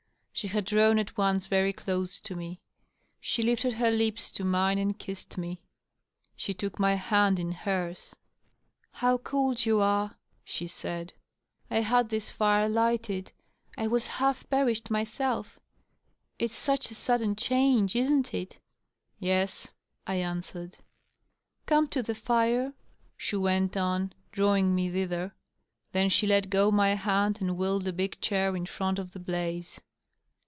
She had drawn at once very close to me. She lifted her lips to mine, and kissed me. She took my hand in hers. " How cold you 620 DOUGLAS DUANE. are !" she said. '^ I had this fire lighted. I was half perished, mysel£ It's such a sudden change, isn't it? " Yes," I answered. " Come to the fire," she went on, drawing me thither. Then she let go my hand, and wheeled a big chair in front of the blaze.